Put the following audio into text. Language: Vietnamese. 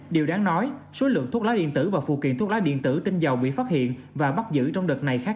điều đáng nói số lượng thuốc lá điện tử và phụ kiện thuốc lá điện tử tinh dầu bị phát hiện và bắt giữ trong đợt này khác